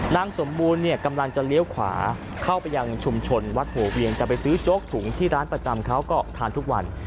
นางสมบูรณ์เนี่ยกำลังจะเลี้ยวขวาเข้าไปยังชุมชนวัดหัวเวียงจะไปซื้อโจ๊กถุงที่ร้านประจำเขาก็ทานทุกวัน